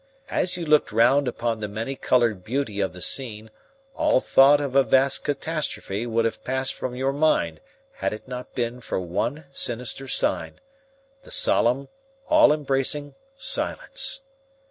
As you looked round upon the many coloured beauty of the scene all thought of a vast catastrophe would have passed from your mind had it not been for one sinister sign the solemn, all embracing silence.